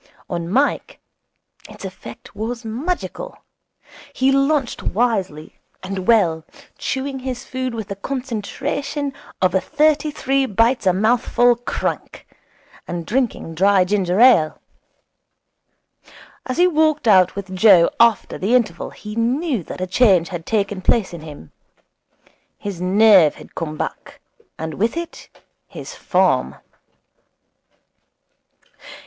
On Mike its effect was magical. He lunched wisely and well, chewing his food with the concentration of a thirty three bites a mouthful crank, and drinking dry ginger ale. As he walked out with Joe after the interval he knew that a change had taken place in him. His nerve had come back, and with it his form.